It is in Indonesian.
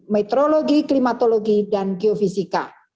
meteorologi klimatologi dan geofisika